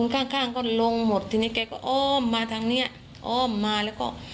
ข้างข้างก็ลงหมดทีนี้แกก็อ้อมมาทางเนี้ยอ้อมมาแล้วก็